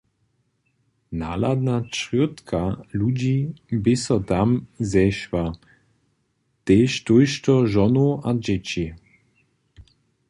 Nahladna črjódka ludźi bě so tam zešła, tež tójšto žonow a dźěći.